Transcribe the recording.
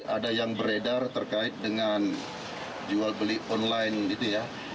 ada yang beredar terkait dengan jual beli online